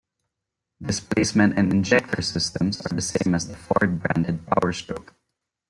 Displacement and injector systems are the same as the Ford branded Power Stroke.